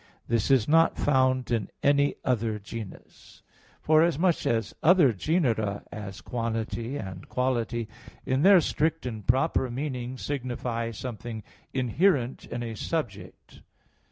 This is not found in any other genus; forasmuch as other genera, as quantity and quality, in their strict and proper meaning, signify something inherent in a subject.